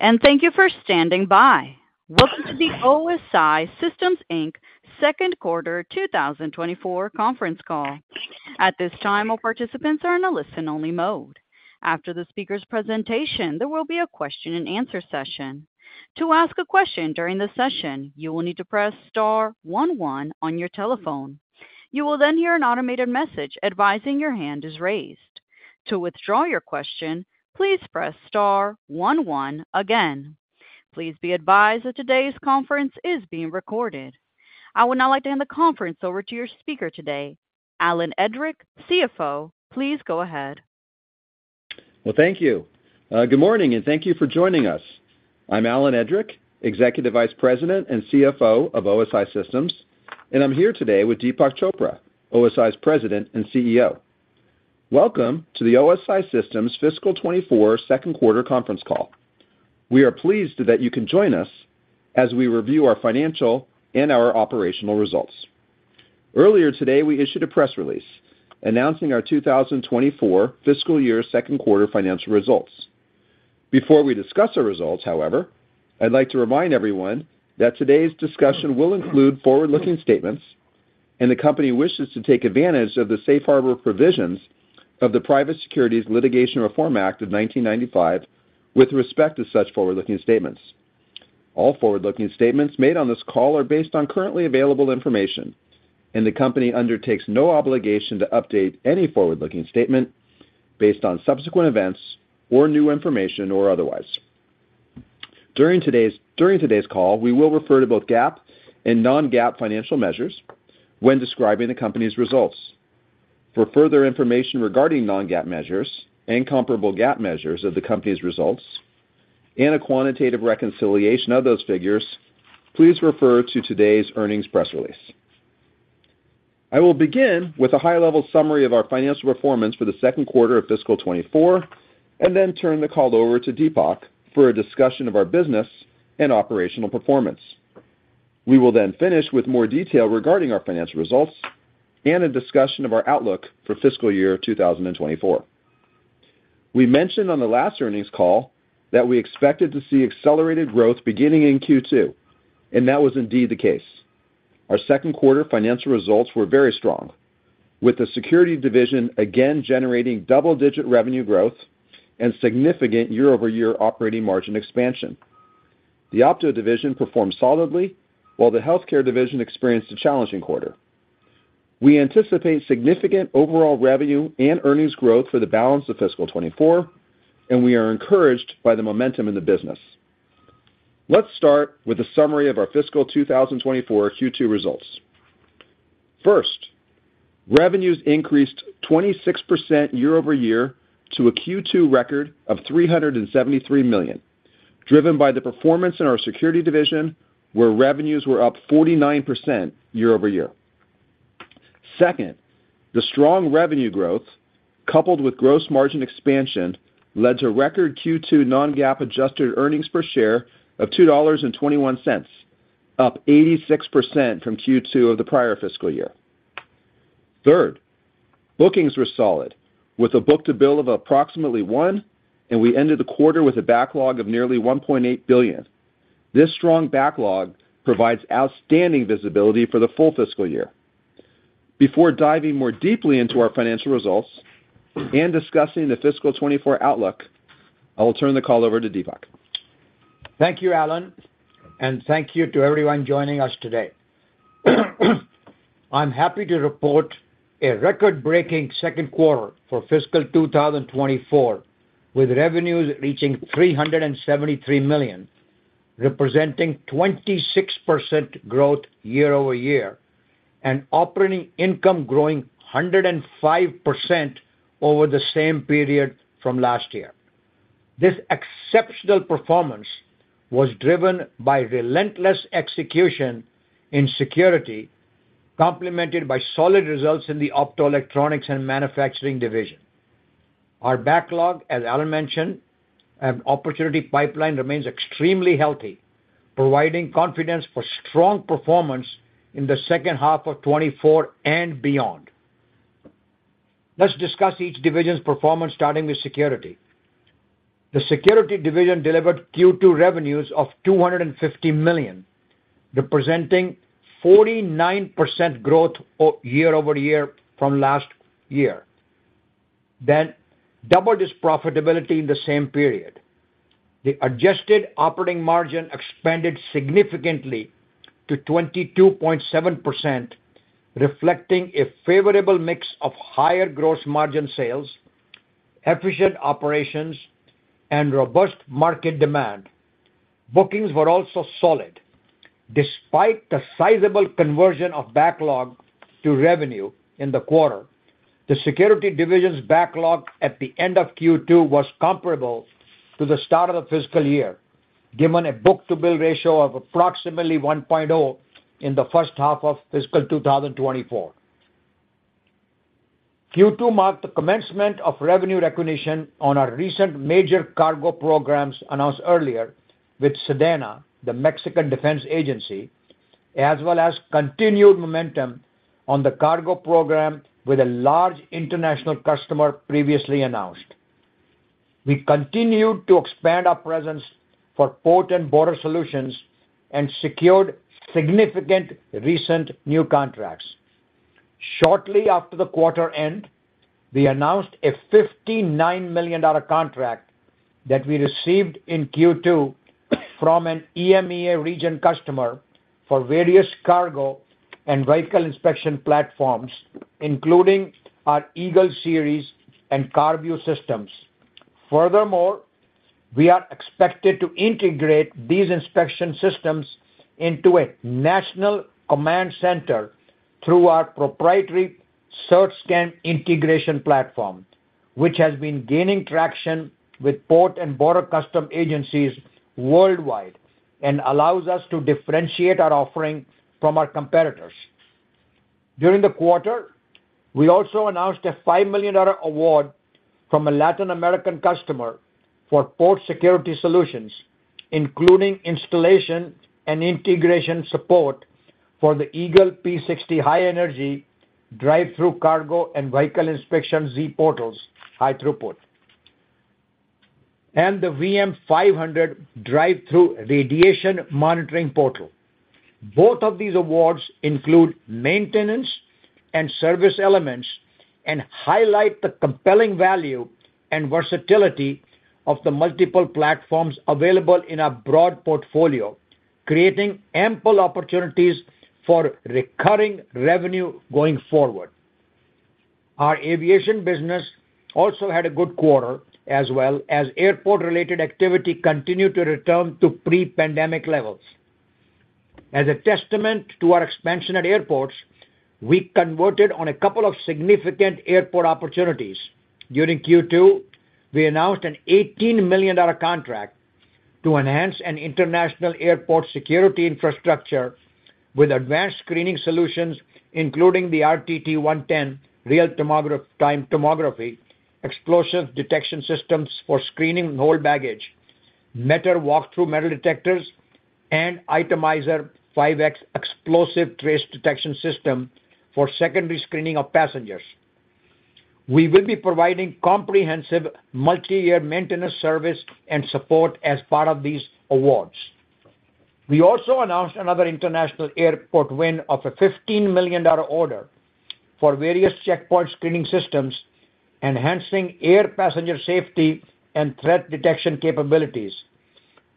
Thank you for standing by. Welcome to the OSI Systems, Inc. second quarter 2024 conference call. At this time, all participants are in a listen-only mode. After the speaker's presentation, there will be a question-and-answer session. To ask a question during the session, you will need to press star one one on your telephone. You will then hear an automated message advising your hand is raised. To withdraw your question, please press star one one again. Please be advised that today's conference is being recorded. I would now like to hand the conference over to your speaker today, Alan Edrick, CFO. Please go ahead. Well, thank you. Good morning, and thank you for joining us. I'm Alan Edrick, Executive Vice President and CFO of OSI Systems, and I'm here today with Deepak Chopra, OSI's President and CEO. Welcome to the OSI Systems Fiscal 2024 second quarter conference call. We are pleased that you can join us as we review our financial and our operational results. Earlier today, we issued a press release announcing our 2024 fiscal year second quarter financial results. Before we discuss our results, however, I'd like to remind everyone that today's discussion will include forward-looking statements, and the company wishes to take advantage of the safe harbor provisions of the Private Securities Litigation Reform Act of 1995 with respect to such forward-looking statements. All forward-looking statements made on this call are based on currently available information, and the company undertakes no obligation to update any forward-looking statement based on subsequent events or new information or otherwise. During today's call, we will refer to both GAAP and non-GAAP financial measures when describing the company's results. For further information regarding non-GAAP measures and comparable GAAP measures of the company's results and a quantitative reconciliation of those figures, please refer to today's earnings press release. I will begin with a high-level summary of our financial performance for the second quarter of fiscal 2024, and then turn the call over to Deepak for a discussion of our business and operational performance. We will then finish with more detail regarding our financial results and a discussion of our outlook for fiscal year 2024. We mentioned on the last earnings call that we expected to see accelerated growth beginning in Q2, and that was indeed the case. Our second quarter financial results were very strong, with the security division again generating double-digit revenue growth and significant year-over-year operating margin expansion. The Opto division performed solidly, while the healthcare division experienced a challenging quarter. We anticipate significant overall revenue and earnings growth for the balance of fiscal 2024, and we are encouraged by the momentum in the business. Let's start with a summary of our fiscal 2024 Q2 results. First, revenues increased 26% year-over-year to a Q2 record of $373 million, driven by the performance in our security division, where revenues were up 49% year-over-year. Second, the strong revenue growth, coupled with gross margin expansion, led to record Q2 Non-GAAP adjusted earnings per share of $2.21, up 86% from Q2 of the prior fiscal year. Third, bookings were solid, with a book-to-bill of approximately 1, and we ended the quarter with a backlog of nearly $1.8 billion. This strong backlog provides outstanding visibility for the full fiscal year. Before diving more deeply into our financial results and discussing the fiscal 2024 outlook, I will turn the call over to Deepak. Thank you, Alan, and thank you to everyone joining us today. I'm happy to report a record-breaking second quarter for fiscal 2024, with revenues reaching $373 million, representing 26% growth year-over-year, and operating income growing 105% over the same period from last year. This exceptional performance was driven by relentless execution in Security, complemented by solid results in the Optoelectronics and Manufacturing division. Our backlog, as Alan mentioned, opportunity pipeline, remains extremely healthy, providing confidence for strong performance in the second half of 2024 and beyond. Let's discuss each division's performance, starting with Security. The Security division delivered Q2 revenues of $250 million, representing 49% growth year-over-year from last year. Then doubled its profitability in the same period. The adjusted operating margin expanded significantly to 22.7%, reflecting a favorable mix of higher gross margin sales, efficient operations, and robust market demand. Bookings were also solid. Despite the sizable conversion of backlog to revenue in the quarter, the security division's backlog at the end of Q2 was comparable to the start of the fiscal year, given a book-to-bill ratio of approximately 1.0 in the first half of fiscal 2024. Q2 marked the commencement of revenue recognition on our recent major cargo programs announced earlier with SEDENA, the Mexican Defense Agency, as well as continued momentum on the cargo program with a large international customer previously announced. We continued to expand our presence for port and border solutions and secured significant recent new contracts. Shortly after the quarter end, we announced a $59 million contract that we received in Q2 from an EMEA region customer for various cargo and vehicle inspection platforms, including our Eagle series and CarView systems. Furthermore, we are expected to integrate these inspection systems into a national command center through our proprietary CertScan integration platform, which has been gaining traction with port and border customs agencies worldwide and allows us to differentiate our offering from our competitors. During the quarter, we also announced a $5 million award from a Latin American customer for port security solutions, including installation and integration support for the Eagle P60 high energy drive-through cargo and vehicle inspection Z Portal, high throughput, and the VM500 drive-through radiation monitoring portal. Both of these awards include maintenance and service elements and highlight the compelling value and versatility of the multiple platforms available in our broad portfolio, creating ample opportunities for recurring revenue going forward. Our aviation business also had a good quarter, as well as airport-related activity continued to return to pre-pandemic levels. As a testament to our expansion at airports, we converted on a couple of significant airport opportunities. During Q2, we announced an $18 million contract to enhance an international airport security infrastructure with advanced screening solutions, including the RTT 110 real-time tomography explosive detection systems for screening whole baggage, Metor walk-through metal detectors, and Itemiser 5X explosive trace detection system for secondary screening of passengers. We will be providing comprehensive multi-year maintenance, service, and support as part of these awards. We also announced another international airport win of a $15 million order for various checkpoint screening systems, enhancing air passenger safety and threat detection capabilities.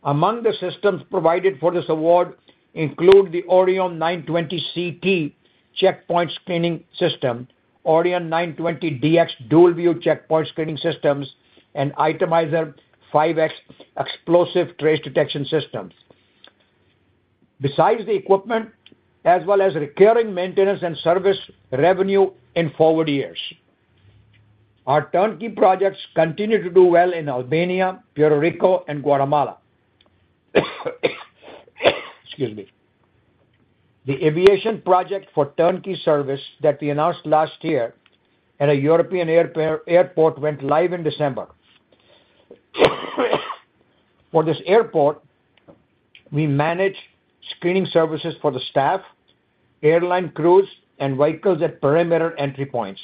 Among the systems provided for this award include the Orion 920 CT checkpoint screening system, Orion 920 DX dual view checkpoint screening systems, and Itemiser 5X explosive trace detection systems. Besides the equipment, as well as recurring maintenance and service revenue in forward years, our turnkey projects continue to do well in Albania, Puerto Rico, and Guatemala. Excuse me. The aviation project for turnkey service that we announced last year at a European airport, went live in December. For this airport, we manage screening services for the staff, airline crews, and vehicles at perimeter entry points.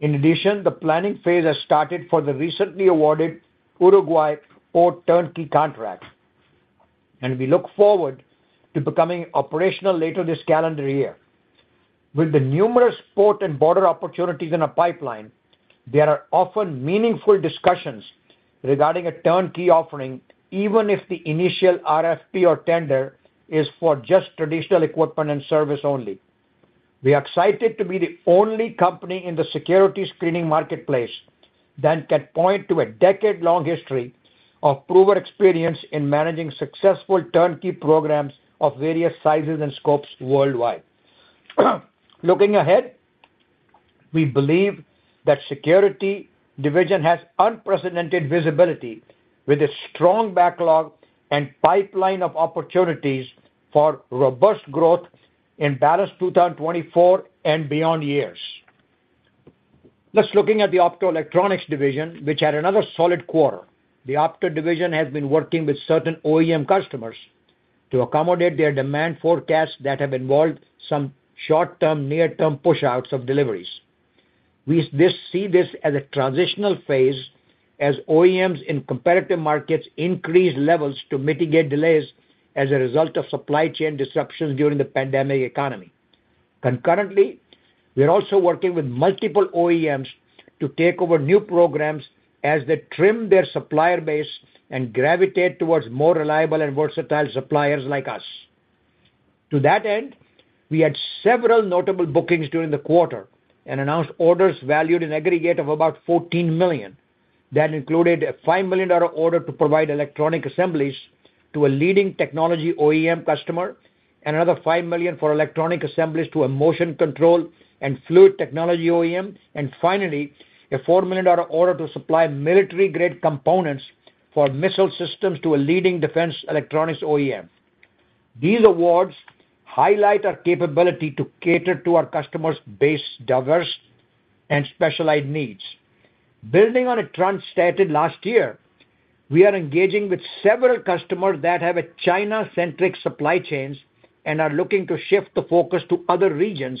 In addition, the planning phase has started for the recently awarded Uruguay port turnkey contract, and we look forward to becoming operational later this calendar year. With the numerous port and border opportunities in our pipeline, there are often meaningful discussions regarding a turnkey offering, even if the initial RFP or tender is for just traditional equipment and service only. We are excited to be the only company in the security screening marketplace that can point to a decade-long history of proven experience in managing successful turnkey programs of various sizes and scopes worldwide. Looking ahead, we believe that Security division has unprecedented visibility, with a strong backlog and pipeline of opportunities for robust growth in balance 2024 and beyond years. Let's look at the Optoelectronics division, which had another solid quarter. The Opto division has been working with certain OEM customers to accommodate their demand forecasts that have involved some short-term, near-term pushouts of deliveries. We see this as a transitional phase as OEMs in competitive markets increase levels to mitigate delays as a result of supply chain disruptions during the pandemic economy. Concurrently, we are also working with multiple OEMs to take over new programs as they trim their supplier base and gravitate towards more reliable and versatile suppliers like us. To that end, we had several notable bookings during the quarter and announced orders valued in aggregate of about $14 million. That included a $5 million order to provide electronic assemblies to a leading technology OEM customer, another $5 million for electronic assemblies to a motion control and fluid technology OEM, and finally, a $4 million order to supply military-grade components for missile systems to a leading defense electronics OEM. These awards highlight our capability to cater to our customers' base, diverse and specialized needs. Building on a trend stated last year... We are engaging with several customers that have a China-centric supply chains and are looking to shift the focus to other regions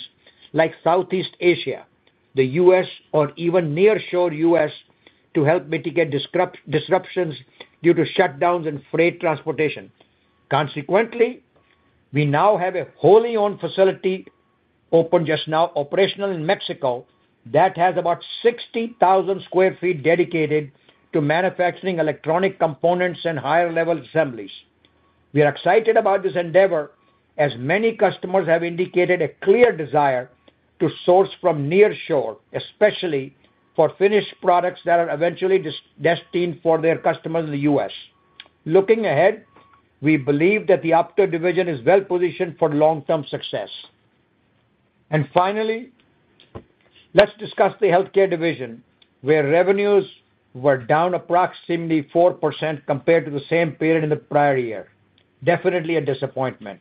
like Southeast Asia, the U.S., or even nearshore U.S., to help mitigate disruptions due to shutdowns and freight transportation. Consequently, we now have a wholly owned facility, opened just now, operational in Mexico, that has about 60,000 sq ft dedicated to manufacturing electronic components and higher-level assemblies. We are excited about this endeavor, as many customers have indicated a clear desire to source from near shore, especially for finished products that are eventually destined for their customers in the U.S. Looking ahead, we believe that the Opto Division is well-positioned for long-term success. And finally, let's discuss the Healthcare Division, where revenues were down approximately 4% compared to the same period in the prior year. Definitely a disappointment.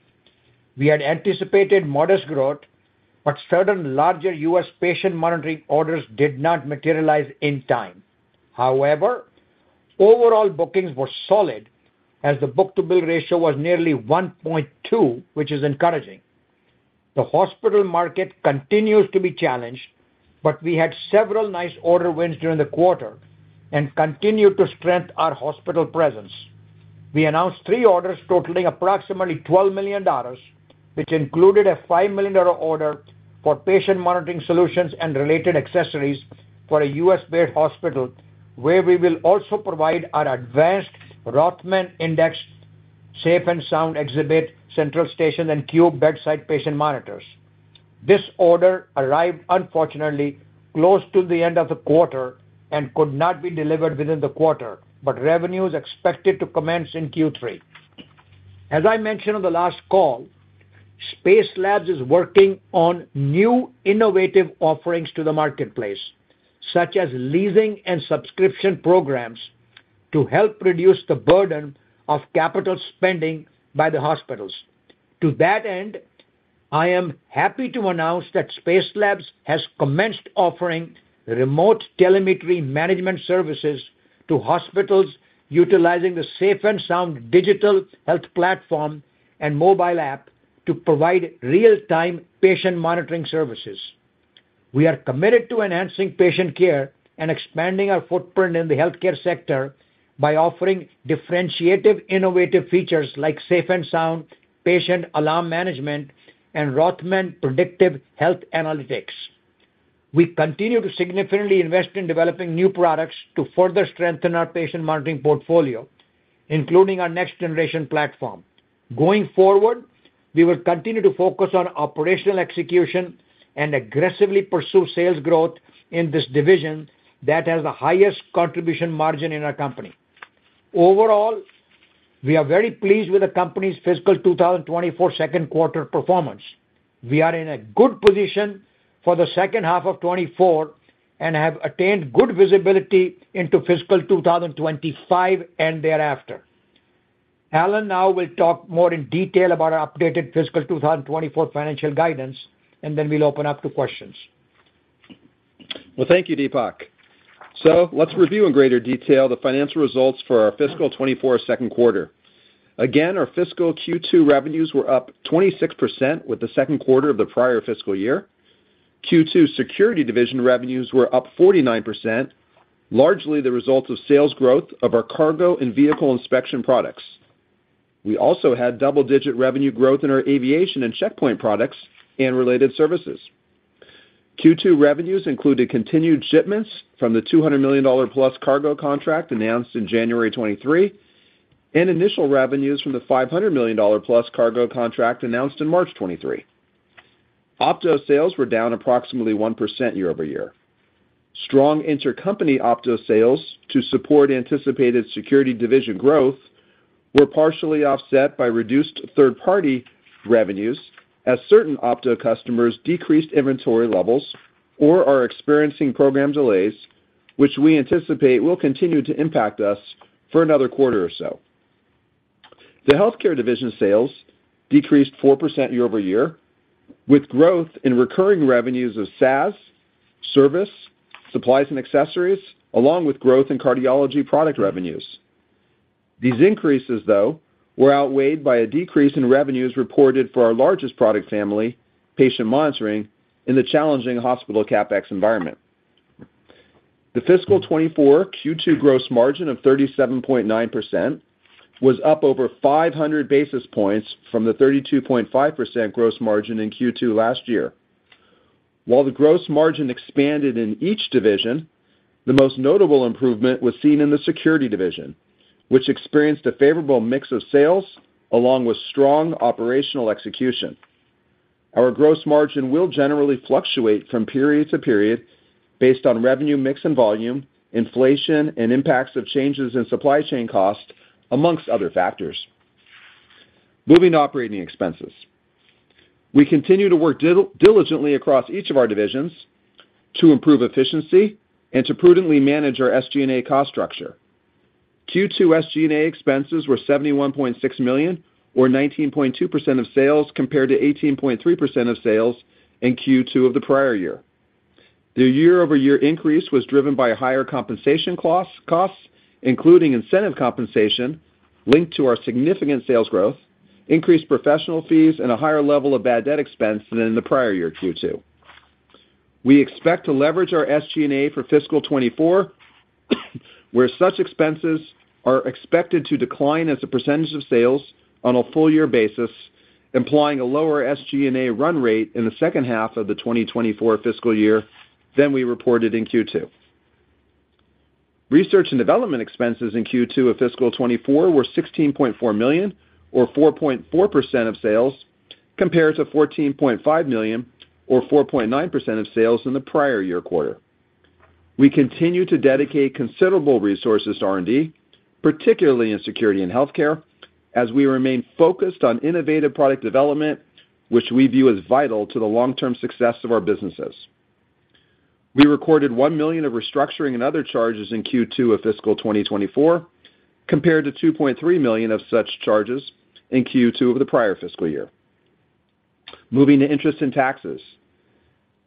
We had anticipated modest growth, but certain larger U.S. patient monitoring orders did not materialize in time. However, overall bookings were solid, as the book-to-bill ratio was nearly 1.2, which is encouraging. The hospital market continues to be challenged, but we had several nice order wins during the quarter and continued to strengthen our hospital presence. We announced three orders totaling approximately $12 million, which included a $5 million order for patient monitoring solutions and related accessories for a U.S.-based hospital, where we will also provide our advanced Rothman Index, SafeNSound Xhibit, central station, and Qube bedside patient monitors. This order arrived, unfortunately, close to the end of the quarter and could not be delivered within the quarter, but revenue is expected to commence in Q3. As I mentioned on the last call, Spacelabs is working on new innovative offerings to the marketplace, such as leasing and subscription programs, to help reduce the burden of capital spending by the hospitals. To that end, I am happy to announce that Spacelabs has commenced offering remote telemetry management services to hospitals utilizing the SafeNSound digital health platform and mobile app to provide real-time patient monitoring services. We are committed to enhancing patient care and expanding our footprint in the healthcare sector by offering differentiated, innovative features like SafeNSound, Patient Alarm Management, and Rothman Predictive Health Analytics. We continue to significantly invest in developing new products to further strengthen our patient monitoring portfolio, including our next-generation platform. Going forward, we will continue to focus on operational execution and aggressively pursue sales growth in this division that has the highest contribution margin in our company. Overall, we are very pleased with the company's fiscal 2024 second quarter performance. We are in a good position for the second half of 2024 and have attained good visibility into fiscal 2025 and thereafter. Alan now will talk more in detail about our updated fiscal 2024 financial guidance, and then we'll open up to questions. Well, thank you, Deepak. So let's review in greater detail the financial results for our fiscal 2024 second quarter. Again, our fiscal Q2 revenues were up 26% with the second quarter of the prior fiscal year. Q2 Security division revenues were up 49%, largely the result of sales growth of our cargo and vehicle inspection products. We also had double-digit revenue growth in our aviation and checkpoint products and related services. Q2 revenues included continued shipments from the $200 million-plus cargo contract announced in January 2023, and initial revenues from the $500 million-plus cargo contract announced in March 2023. Opto sales were down approximately 1% year-over-year. Strong intercompany Opto sales to support anticipated Security division growth were partially offset by reduced third-party revenues, as certain Opto customers decreased inventory levels or are experiencing program delays, which we anticipate will continue to impact us for another quarter or so. The Healthcare division sales decreased 4% year-over-year, with growth in recurring revenues of SaaS, service, supplies and accessories, along with growth in cardiology product revenues. These increases, though, were outweighed by a decrease in revenues reported for our largest product family, patient monitoring, in the challenging hospital CapEx environment. The fiscal 2024 Q2 gross margin of 37.9% was up over 500 basis points from the 32.5% gross margin in Q2 last year. While the gross margin expanded in each division, the most notable improvement was seen in the Security division, which experienced a favorable mix of sales along with strong operational execution. Our gross margin will generally fluctuate from period to period based on revenue, mix and volume, inflation, and impacts of changes in supply chain costs, amongst other factors. Moving to operating expenses. We continue to work diligently across each of our divisions to improve efficiency and to prudently manage our SG&A cost structure. Q2 SG&A expenses were $71.6 million, or 19.2% of sales, compared to 18.3% of sales in Q2 of the prior year. The year-over-year increase was driven by higher compensation costs, including incentive compensation linked to our significant sales growth, increased professional fees, and a higher level of bad debt expense than in the prior year Q2. We expect to leverage our SG&A for fiscal 2024, where such expenses are expected to decline as a percentage of sales on a full year basis, implying a lower SG&A run rate in the second half of the 2024 fiscal year than we reported in Q2. Research and development expenses in Q2 of fiscal 2024 were $16.4 million, or 4.4% of sales, compared to $14.5 million, or 4.9% of sales in the prior year quarter. We continue to dedicate considerable resources to R&D, particularly in security and healthcare, as we remain focused on innovative product development, which we view as vital to the long-term success of our businesses. We recorded $1 million of restructuring and other charges in Q2 of fiscal 2024, compared to $2.3 million of such charges in Q2 of the prior fiscal year. Moving to interest and taxes.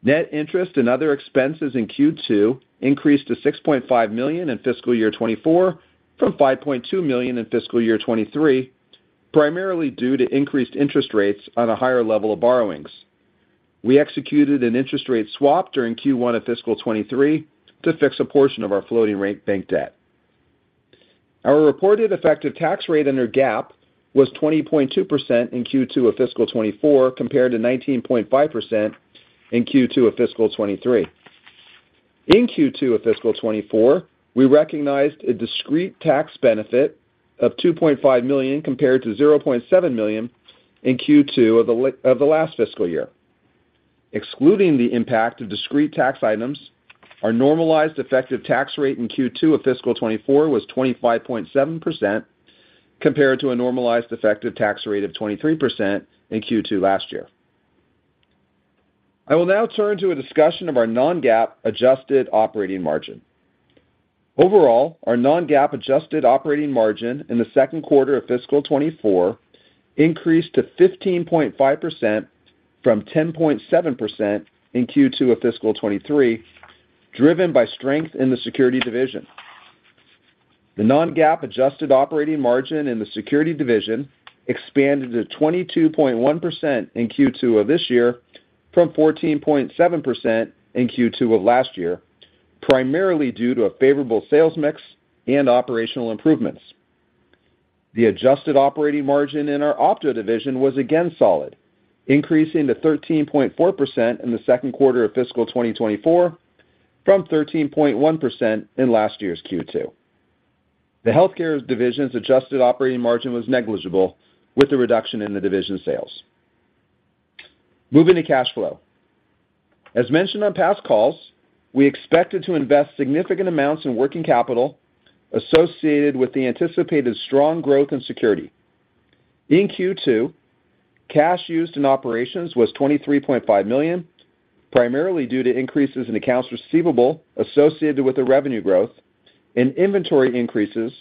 Net interest and other expenses in Q2 increased to $6.5 million in fiscal year 2024 from $5.2 million in fiscal year 2023, primarily due to increased interest rates on a higher level of borrowings. We executed an interest rate swap during Q1 of fiscal 2023 to fix a portion of our floating rate bank debt. Our reported effective tax rate under GAAP was 20.2% in Q2 of fiscal 2024, compared to 19.5% in Q2 of fiscal 2023. In Q2 of fiscal 2024, we recognized a discrete tax benefit of $2.5 million, compared to $0.7 million in Q2 of the last fiscal year. Excluding the impact of discrete tax items, our normalized effective tax rate in Q2 of fiscal 2024 was 25.7%, compared to a normalized effective tax rate of 23% in Q2 last year. I will now turn to a discussion of our non-GAAP adjusted operating margin. Overall, our non-GAAP adjusted operating margin in the second quarter of fiscal 2024 increased to 15.5% from 10.7% in Q2 of fiscal 2023, driven by strength in the Security division. The non-GAAP adjusted operating margin in the Security division expanded to 22.1% in Q2 of this year from 14.7% in Q2 of last year, primarily due to a favorable sales mix and operational improvements. The adjusted operating margin in our Opto division was again solid, increasing to 13.4% in the second quarter of fiscal 2024 from 13.1% in last year's Q2. The Healthcare division's adjusted operating margin was negligible, with a reduction in the division's sales. Moving to cash flow. As mentioned on past calls, we expected to invest significant amounts in working capital associated with the anticipated strong growth in Security. In Q2, cash used in operations was $23.5 million, primarily due to increases in accounts receivable associated with the revenue growth and inventory increases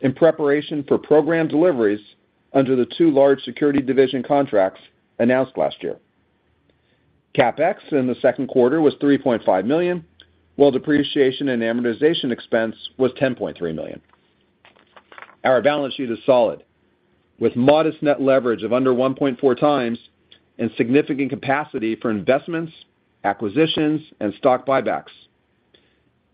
in preparation for program deliveries under the two large Security division contracts announced last year. CapEx in the second quarter was $3.5 million, while depreciation and amortization expense was $10.3 million. Our balance sheet is solid, with modest net leverage of under 1.4 times and significant capacity for investments, acquisitions, and stock buybacks.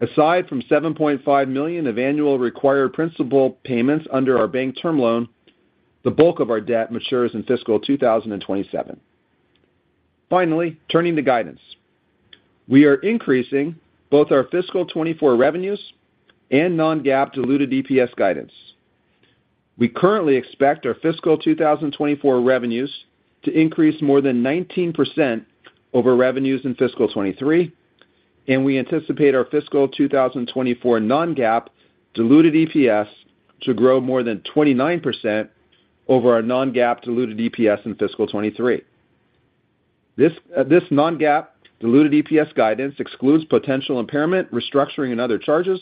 Aside from $7.5 million of annual required principal payments under our bank term loan, the bulk of our debt matures in fiscal 2027. Finally, turning to guidance. We are increasing both our fiscal 2024 revenues and non-GAAP diluted EPS guidance. We currently expect our fiscal 2024 revenues to increase more than 19% over revenues in fiscal 2023, and we anticipate our fiscal 2024 non-GAAP diluted EPS to grow more than 29% over our non-GAAP diluted EPS in fiscal 2023. This non-GAAP diluted EPS guidance excludes potential impairment, restructuring, and other charges,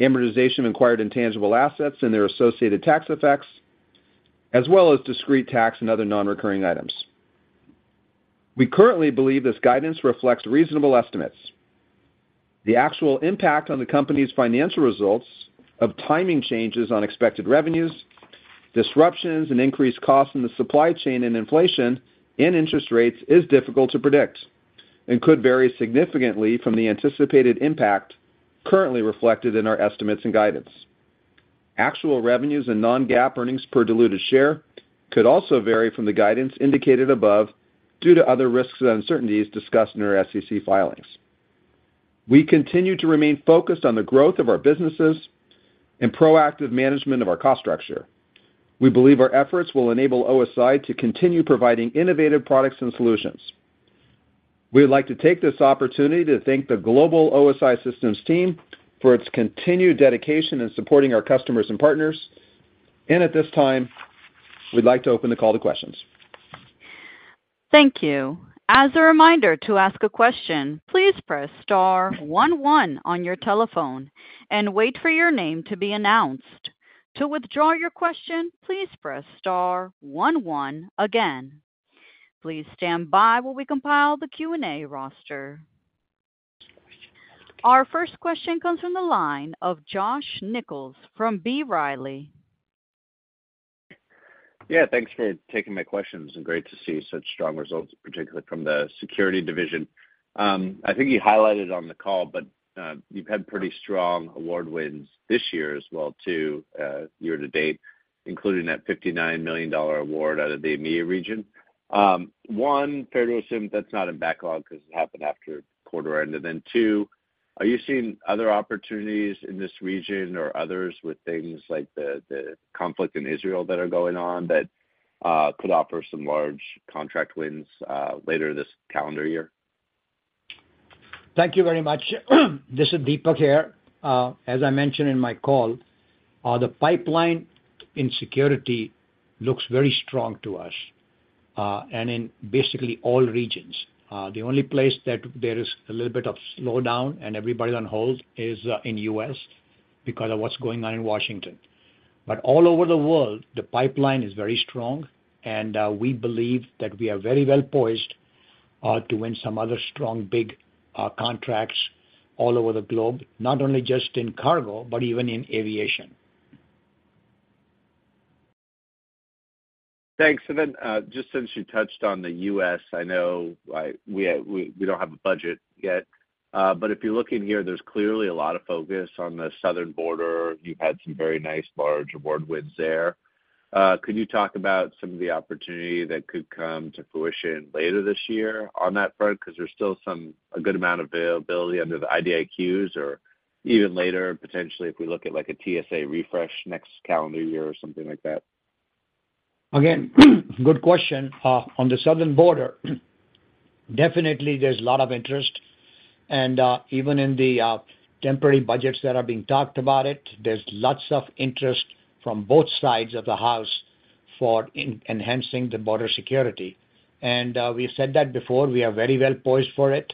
amortization of acquired intangible assets and their associated tax effects, as well as discrete tax and other non-recurring items. We currently believe this guidance reflects reasonable estimates. The actual impact on the company's financial results of timing changes on expected revenues, disruptions and increased costs in the supply chain and inflation and interest rates is difficult to predict and could vary significantly from the anticipated impact currently reflected in our estimates and guidance. Actual revenues and non-GAAP earnings per diluted share could also vary from the guidance indicated above due to other risks and uncertainties discussed in our SEC filings. We continue to remain focused on the growth of our businesses and proactive management of our cost structure. We believe our efforts will enable OSI to continue providing innovative products and solutions. We'd like to take this opportunity to thank the global OSI Systems team for its continued dedication in supporting our customers and partners. At this time, we'd like to open the call to questions. Thank you. As a reminder to ask a question, please press star one one on your telephone and wait for your name to be announced.... To withdraw your question, please press star one one again. Please stand by while we compile the Q&A roster. Our first question comes from the line of Josh Nichols from B. Riley. Yeah, thanks for taking my questions, and great to see such strong results, particularly from the Security division. I think you highlighted on the call, but you've had pretty strong award wins this year as well, too, year to date, including that $59 million award out of the EMEA region. One, fair to assume that's not in backlog because it happened after quarter end. And then two, are you seeing other opportunities in this region or others with things like the conflict in Israel that are going on, that could offer some large contract wins later this calendar year? Thank you very much. This is Deepak here. As I mentioned in my call, the pipeline in security looks very strong to us, and in basically all regions. The only place that there is a little bit of slowdown and everybody's on hold is, in U.S. because of what's going on in Washington. But all over the world, the pipeline is very strong, and we believe that we are very well poised to win some other strong, big contracts all over the globe, not only just in cargo, but even in aviation. Thanks. And then, just since you touched on the U.S., I know, like, we, we, we don't have a budget yet, but if you look in here, there's clearly a lot of focus on the southern border. You've had some very nice large award wins there. Could you talk about some of the opportunity that could come to fruition later this year on that front? Because there's still some, a good amount of availability under the IDIQs or even later, potentially, if we look at, like, a TSA refresh next calendar year or something like that. Again, good question. On the southern border, definitely there's a lot of interest. And, even in the temporary budgets that are being talked about it, there's lots of interest from both sides of the house for enhancing the border security. And, we've said that before, we are very well poised for it.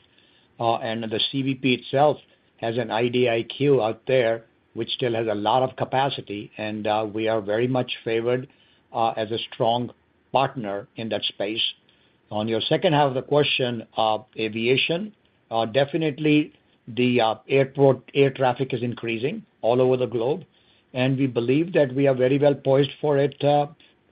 And the CBP itself has an IDIQ out there, which still has a lot of capacity, and we are very much favored as a strong partner in that space. On your second half of the question, aviation, definitely the airport air traffic is increasing all over the globe, and we believe that we are very well poised for it,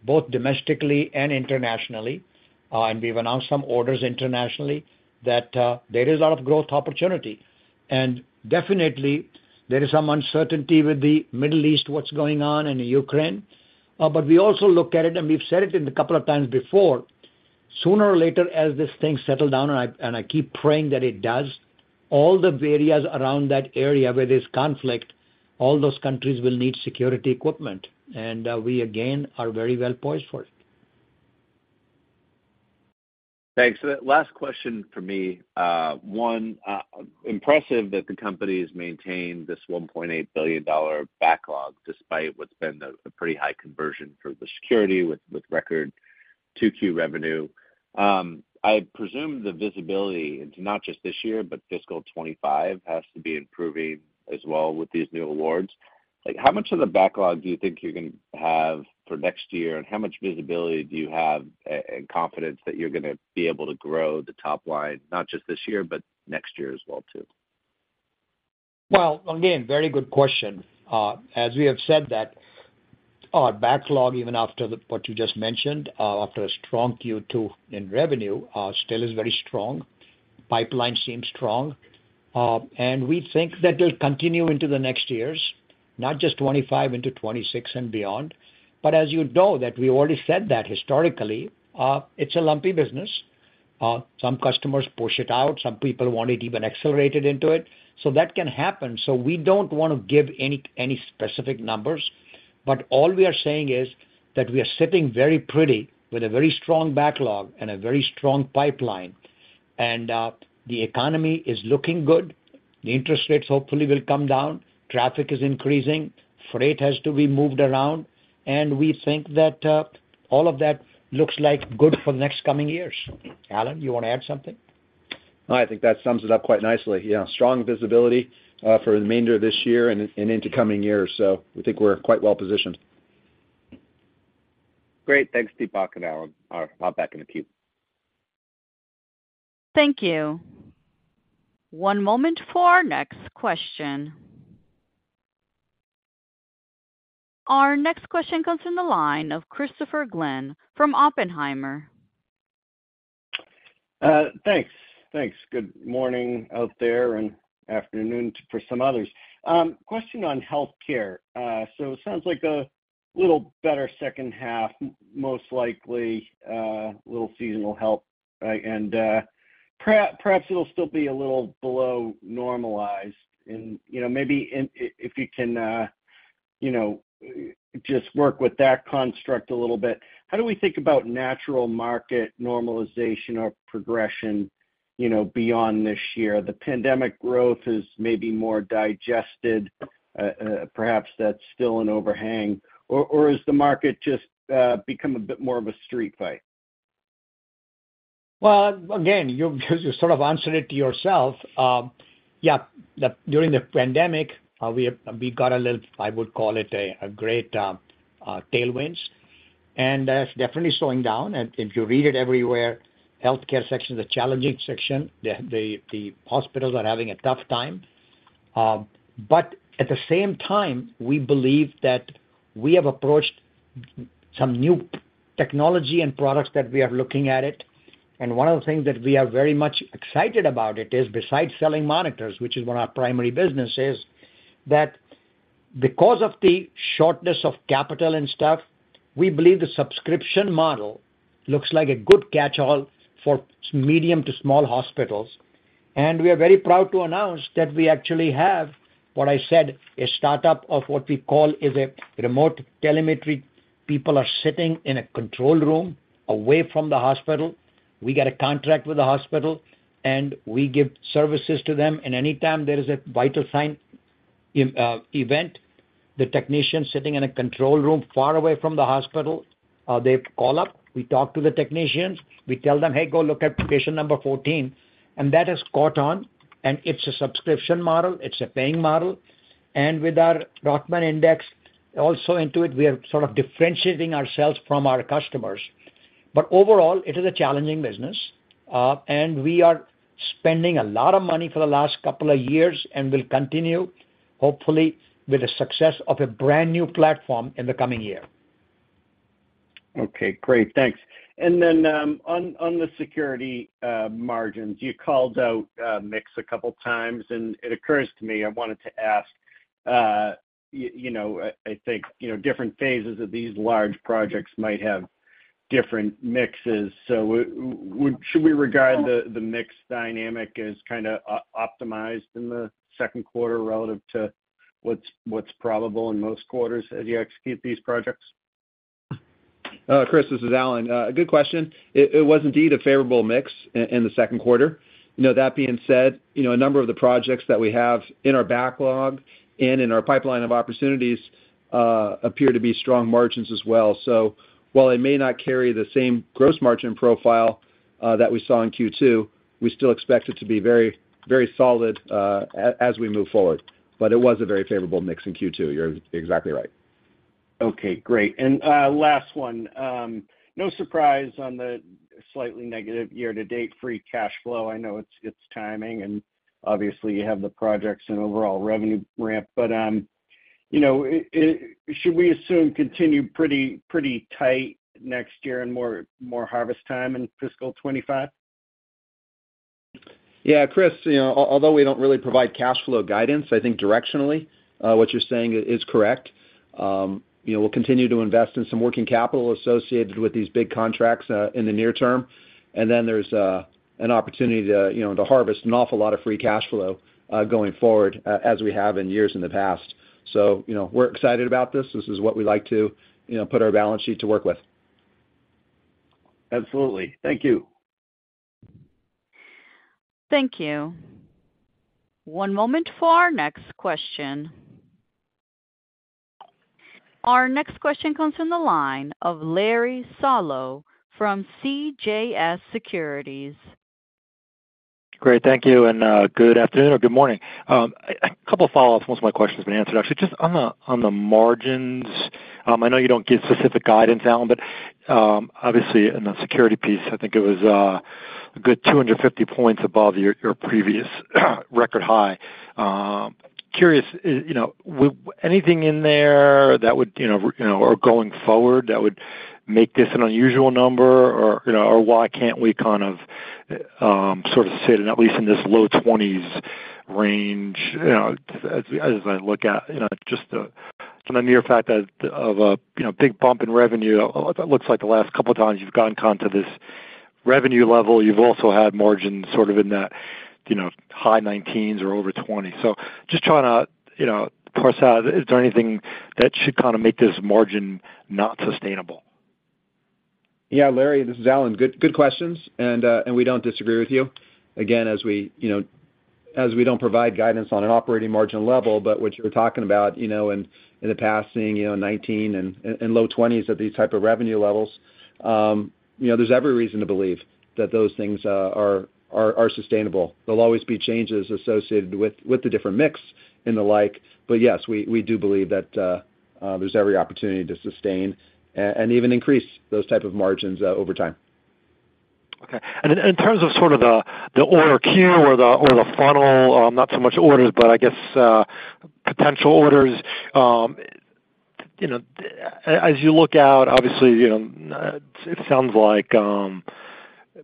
both domestically and internationally. And we've announced some orders internationally that there is a lot of growth opportunity. Definitely there is some uncertainty with the Middle East, what's going on in Ukraine. But we also look at it, and we've said it a couple of times before, sooner or later, as this thing settle down, and I, and I keep praying that it does, all the areas around that area where there's conflict, all those countries will need security equipment, and, we again, are very well poised for it. Thanks. So last question for me. One, impressive that the company has maintained this $1.8 billion backlog, despite what's been a pretty high conversion for the security with record 2Q revenue. I presume the visibility into not just this year, but fiscal 2025, has to be improving as well with these new awards. Like, how much of the backlog do you think you're going to have for next year, and how much visibility do you have and confidence that you're going to be able to grow the top line, not just this year, but next year as well, too? Well, again, very good question. As we have said, that our backlog, even after the what you just mentioned, after a strong Q2 in revenue, still is very strong. Pipeline seems strong. And we think that it'll continue into the next years, not just 2025 into 2026 and beyond. But as you know, that we already said that historically, it's a lumpy business. Some customers push it out, some people want it even accelerated into it. So that can happen. So we don't want to give any specific numbers, but all we are saying is that we are sitting very pretty with a very strong backlog and a very strong pipeline. And the economy is looking good. The interest rates hopefully will come down. Traffic is increasing. Freight has to be moved around, and we think that, all of that looks like good for next coming years. Alan, you want to add something? I think that sums it up quite nicely. Yeah, strong visibility for the remainder of this year and into coming years. So we think we're quite well positioned. Great. Thanks, Deepak and Alan. I'll hop back in the queue. Thank you. One moment for our next question. Our next question comes in the line of Christopher Glynn from Oppenheimer. Thanks. Thanks. Good morning out there and afternoon for some others. Question on healthcare. So it sounds like a little better second half, most likely, little seasonal health, right? And, perhaps, perhaps it'll still be a little below normalized. And, you know, maybe in, if you can, you know, just work with that construct a little bit, how do we think about natural market normalization or progression, you know, beyond this year? The pandemic growth is maybe more digested, perhaps that's still an overhang. Or has the market just become a bit more of a street fight?... Well, again, you sort of answered it to yourself. Yeah, during the pandemic, we got a little. I would call it great tailwinds, and that's definitely slowing down. And if you read it everywhere, Healthcare sector is a challenging sector. The hospitals are having a tough time. But at the same time, we believe that we have approached some new technology and products that we are looking at it. And one of the things that we are very much excited about it is besides selling monitors, which is what our primary business is, that because of the shortness of capital and stuff, we believe the subscription model looks like a good catch-all for medium to small hospitals. We are very proud to announce that we actually have, what I said, a startup of what we call is a remote telemetry. People are sitting in a control room away from the hospital. We get a contract with the hospital, and we give services to them, and anytime there is a vital sign, event, the technician sitting in a control room far away from the hospital, they call up, we talk to the technicians, we tell them, "Hey, go look at patient number 14." That has caught on, and it's a subscription model, it's a paying model. And with our Rothman Index also into it, we are sort of differentiating ourselves from our customers. But overall, it is a challenging business, and we are spending a lot of money for the last couple of years and will continue, hopefully, with the success of a brand-new platform in the coming year. Okay, great. Thanks. And then, on the security margins, you called out mix a couple times, and it occurs to me. I wanted to ask, you know, I think, you know, different phases of these large projects might have different mixes. So should we regard the mix dynamic as kinda optimized in the second quarter relative to what's probable in most quarters as you execute these projects? Chris, this is Alan. Good question. It was indeed a favorable mix in the second quarter. You know, that being said, you know, a number of the projects that we have in our backlog and in our pipeline of opportunities appear to be strong margins as well. So while it may not carry the same gross margin profile that we saw in Q2, we still expect it to be very, very solid as we move forward. But it was a very favorable mix in Q2. You're exactly right. Okay, great. And, last one. No surprise on the slightly negative year-to-date free cash flow. I know it's timing, and obviously, you have the projects and overall revenue ramp. But, you know, should we assume continue pretty tight next year and more harvest time in fiscal 2025? Yeah, Chris, you know, although we don't really provide cash flow guidance, I think directionally, what you're saying is correct. You know, we'll continue to invest in some working capital associated with these big contracts, in the near term. And then there's an opportunity to, you know, to harvest an awful lot of free cash flow, going forward, as we have in years in the past. So, you know, we're excited about this. This is what we like to, you know, put our balance sheet to work with. Absolutely. Thank you. Thank you. One moment for our next question. Our next question comes from the line of Larry Solow from CJS Securities. Great. Thank you, and, good afternoon or good morning. A couple follow-ups. Most of my questions have been answered, actually. Just on the, on the margins, I know you don't give specific guidance, Alan, but, obviously, in the security piece, I think it was, a good 250 points above your, your previous, record high. Curious, you know, anything in there that would, you know, or going forward, that would make this an unusual number? Or, you know, or why can't we kind of sort of sit in, at least in this low 20s range, you know, as I look at, you know, just from the mere fact that of a, you know, big bump in revenue, it looks like the last couple of times you've gotten onto this revenue level, you've also had margins sort of in that, you know, high 19s or over 20. So just trying to, you know, parse out, is there anything that should kind of make this margin not sustainable? Yeah, Larry, this is Alan. Good, good questions, and we don't disagree with you. Again, as we, you know, as we don't provide guidance on an operating margin level, but what you're talking about, you know, in the past, seeing, you know, 19 and low 20s at these type of revenue levels, you know, there's every reason to believe that those things are sustainable. There'll always be changes associated with the different mix and the like, but yes, we do believe that there's every opportunity to sustain and even increase those type of margins over time. Okay. And in terms of sort of the order queue or the funnel, not so much orders, but I guess potential orders, you know, as you look out, obviously, you know, it sounds like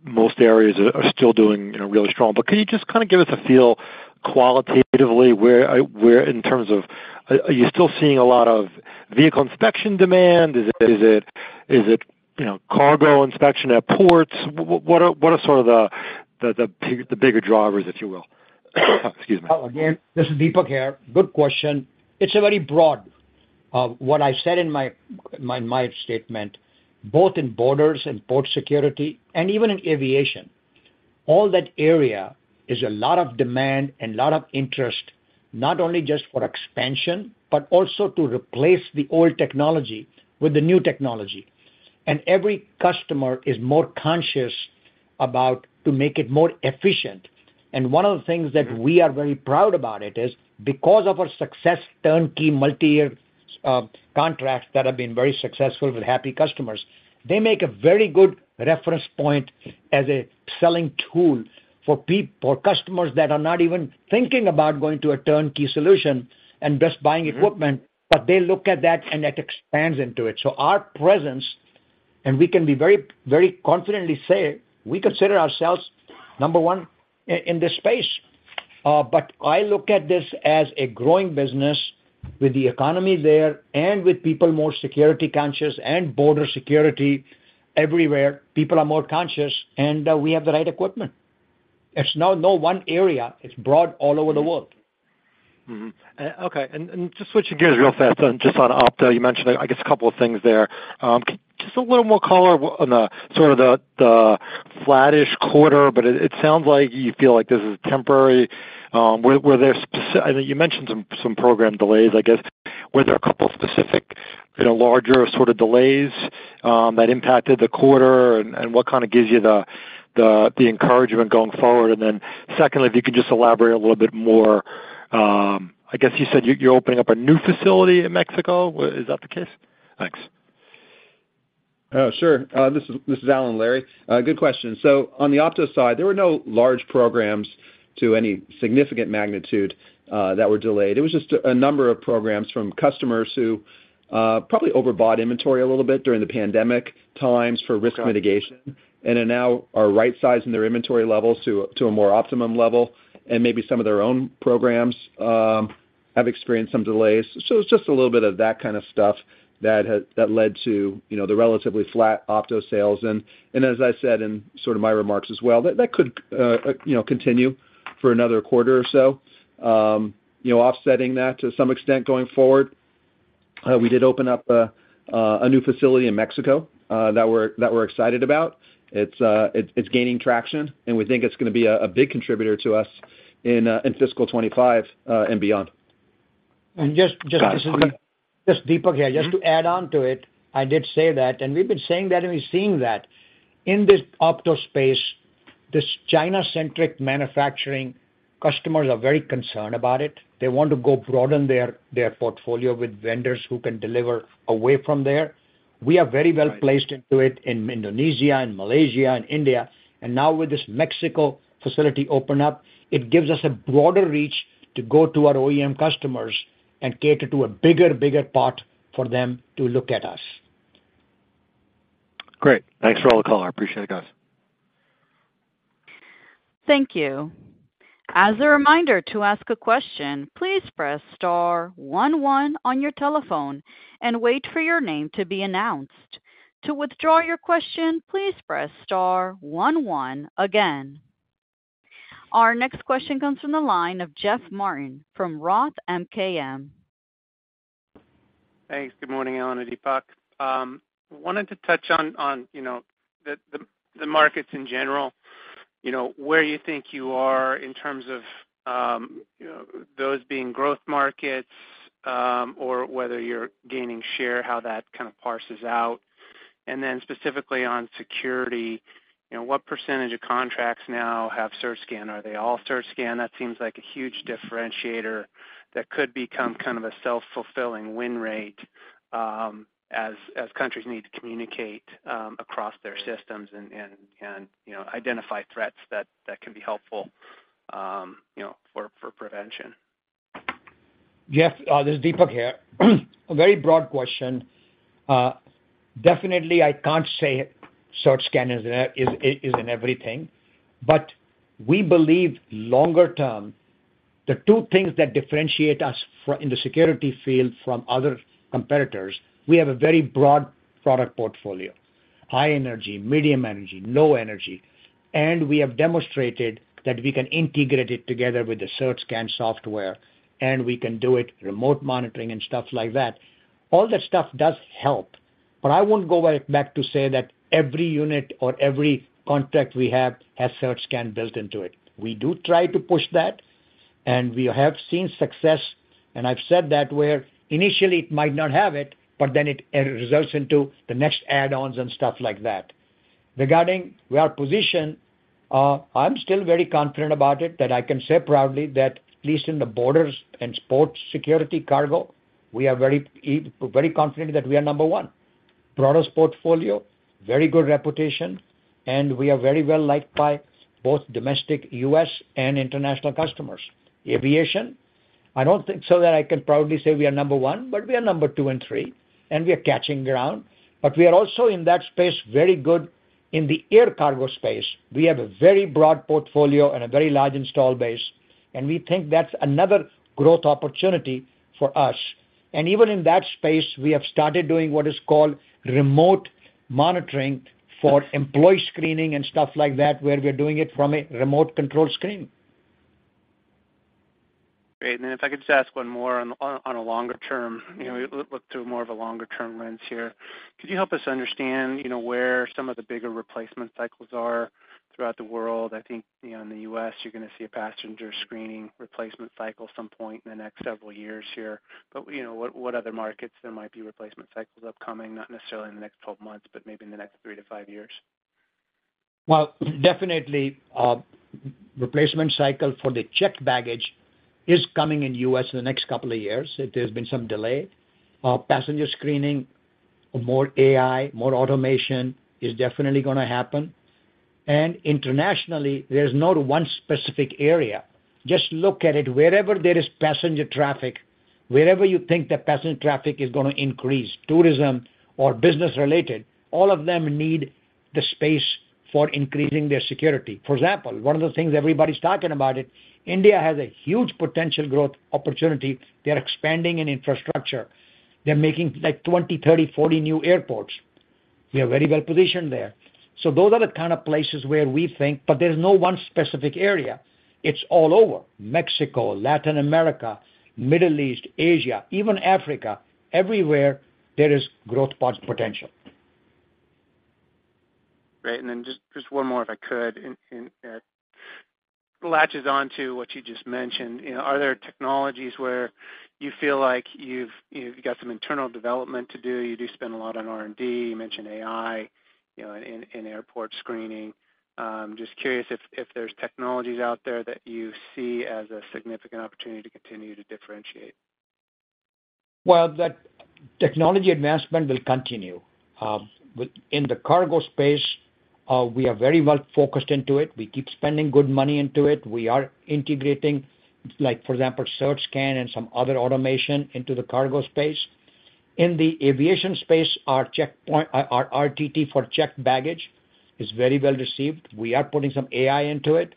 most areas are still doing, you know, really strong. But can you just kind of give us a feel qualitatively where, where in terms of... Are you still seeing a lot of vehicle inspection demand? Is it cargo inspection at ports? What are sort of the big, the bigger drivers, if you will? Excuse me. Oh, again, this is Deepak here. Good question. It's a very broad of what I said in my statement, both in borders and port security and even in aviation. All that area is a lot of demand and a lot of interest, not only just for expansion, but also to replace the old technology with the new technology. And every customer is more conscious about to make it more efficient. And one of the things that we are very proud about it is because of our success turnkey, multi-year contracts that have been very successful with happy customers, they make a very good reference point as a selling tool for customers that are not even thinking about going to a turnkey solution and just buying equipment. But they look at that, and that expands into it. Our presence, and we can very, very confidently say, we consider ourselves number one in this space. But I look at this as a growing business with the economy there and with people more security conscious and border security everywhere, people are more conscious, and we have the right equipment. It's not no one area, it's broad all over the world. Mm-hmm. Okay, and just switching gears real fast, then, just on Opto, you mentioned, I guess, a couple of things there. Just a little more color on the sort of the flattish quarter, but it sounds like you feel like this is temporary. I think you mentioned some program delays, I guess. Were there a couple of specific, you know, larger sort of delays that impacted the quarter? And what kind of gives you the encouragement going forward? And then secondly, if you could just elaborate a little bit more, I guess you said you're opening up a new facility in Mexico. Is that the case? Thanks. Sure. This is Alan, Larry. Good question. So on the Opto side, there were no large programs to any significant magnitude that were delayed. It was just a number of programs from customers who probably overbought inventory a little bit during the pandemic times for risk mitigation, and are now right-sizing their inventory levels to a more optimum level, and maybe some of their own programs have experienced some delays. So it's just a little bit of that kind of stuff that has that led to, you know, the relatively flat Opto sales. And as I said in sort of my remarks as well, that could, you know, continue for another quarter or so. You know, offsetting that to some extent going forward, we did open up a new facility in Mexico that we're excited about. It's gaining traction, and we think it's gonna be a big contributor to us in fiscal 2025 and beyond. And just Go ahead. This is Deepak here. Mm-hmm. Just to add on to it, I did say that, and we've been saying that, and we've seen that. In this Opto space, this China-centric manufacturing, customers are very concerned about it. They want to go broaden their, their portfolio with vendors who can deliver away from there. We are very well placed into it in Indonesia and Malaysia and India, and now with this Mexico facility open up, it gives us a broader reach to go to our OEM customers and cater to a bigger, bigger pot for them to look at us. Great. Thanks for all the color. I appreciate it, guys. Thank you. As a reminder to ask a question, please press star one, one on your telephone and wait for your name to be announced. To withdraw your question, please press star one, one again. Our next question comes from the line of Jeff Martin from Roth MKM. Thanks. Good morning, Alan and Deepak. Wanted to touch on, you know, the markets in general. You know, where you think you are in terms of, you know, those being growth markets, or whether you're gaining share, how that kind of parses out. And then specifically on security, you know, what percentage of contracts now have CertScan? Are they all CertScan? That seems like a huge differentiator that could become kind of a self-fulfilling win rate, as countries need to communicate, across their systems and, you know, identify threats that can be helpful, you know, for prevention. Jeff, this is Deepak here. A very broad question. Definitely, I can't say CertScan is, is, is in everything, but we believe longer term, the two things that differentiate us from, in the security field from other competitors, we have a very broad product portfolio, high energy, medium energy, low energy, and we have demonstrated that we can integrate it together with the CertScan software, and we can do it remote monitoring and stuff like that. All that stuff does help, but I wouldn't go back to say that every unit or every contract we have has CertScan built into it. We do try to push that, and we have seen success, and I've said that where initially it might not have it, but then it results into the next add-ons and stuff like that. Regarding our position, I'm still very confident about it, that I can say proudly that at least in the borders and ports security cargo, we are very, very confident that we are number one. Broadest portfolio, very good reputation, and we are very well liked by both domestic U.S. and international customers. Aviation, I don't think so that I can proudly say we are number one, but we are number two and three, and we are gaining ground, but we are also in that space, very good in the air cargo space. We have a very broad portfolio and a very large installed base, and we think that's another growth opportunity for us. Even in that space, we have started doing what is called remote monitoring for employee screening and stuff like that, where we are doing it from a remote control screen.... Great. Then if I could just ask one more on a longer term, you know, look through more of a longer-term lens here. Could you help us understand, you know, where some of the bigger replacement cycles are throughout the world? I think, you know, in the U.S., you're going to see a passenger screening replacement cycle some point in the next several years here. But, you know, what other markets there might be replacement cycles upcoming, not necessarily in the next 12 months, but maybe in the next 3-5 years? Well, definitely, replacement cycle for the checked baggage is coming in the U.S. in the next couple of years. There's been some delay. Passenger screening, more AI, more automation is definitely going to happen. Internationally, there's not one specific area. Just look at it, wherever there is passenger traffic, wherever you think the passenger traffic is going to increase, tourism or business-related, all of them need the space for increasing their security. For example, one of the things everybody's talking about it, India has a huge potential growth opportunity. They are expanding in infrastructure. They're making, like, 20, 30, 40 new airports. We are very well positioned there. So those are the kind of places where we think, but there's no one specific area. It's all over. Mexico, Latin America, Middle East, Asia, even Africa. Everywhere there is growth potential. Great. And then just one more, if I could, and latches on to what you just mentioned. You know, are there technologies where you feel like you've got some internal development to do? You do spend a lot on R&D. You mentioned AI, you know, in airport screening. Just curious if there's technologies out there that you see as a significant opportunity to continue to differentiate. Well, the technology advancement will continue. Within the cargo space, we are very well focused into it. We keep spending good money into it. We are integrating, like, for example, CertScan and some other automation into the cargo space. In the aviation space, our checkpoint, our RTT for checked baggage is very well received. We are putting some AI into it.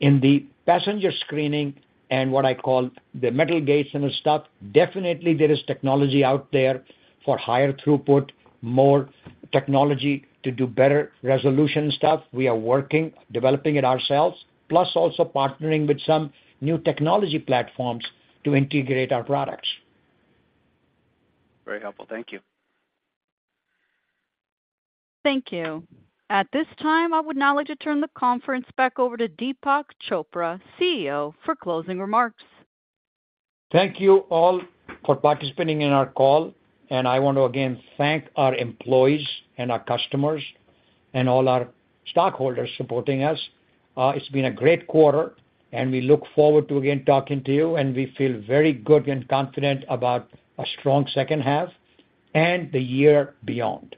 In the passenger screening and what I call the metal gate and stuff, definitely there is technology out there for higher throughput, more technology to do better resolution stuff. We are working, developing it ourselves, plus also partnering with some new technology platforms to integrate our products. Very helpful. Thank you. Thank you. At this time, I would now like to turn the conference back over to Deepak Chopra, CEO, for closing remarks. Thank you all for participating in our call, and I want to again thank our employees and our customers and all our stockholders supporting us. It's been a great quarter, and we look forward to again talking to you, and we feel very good and confident about a strong second half and the year beyond.